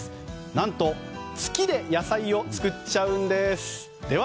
何と、月で野菜を作っちゃうんです。